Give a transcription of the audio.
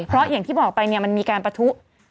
เพราะอย่างที่บอกไปมันมีการปะทุ